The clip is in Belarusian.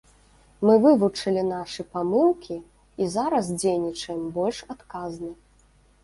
Мы вывучылі нашы памылкі і зараз дзейнічаем больш адказна.